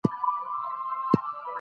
په لنډه موده کي د پام وړ پرمختګ سوی و.